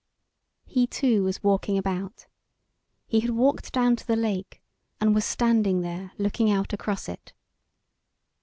He too was walking about. He had walked down to the lake and was standing there looking out across it.